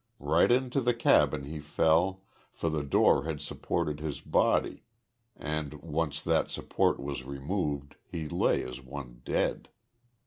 Right into the cabin he fell, for the door had supported his body, and, once that support was removed, he lay as one dead.